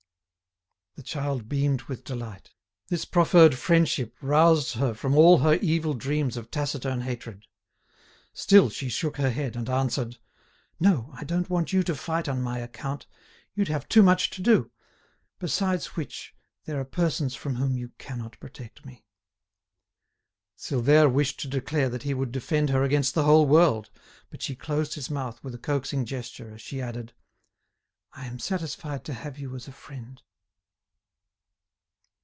The child beamed with delight. This proffered friendship roused her from all her evil dreams of taciturn hatred. Still she shook her head and answered: "No, I don't want you to fight on my account. You'd have too much to do. Besides which, there are persons from whom you cannot protect me." Silvère wished to declare that he would defend her against the whole world, but she closed his mouth with a coaxing gesture, as she added: "I am satisfied to have you as a friend."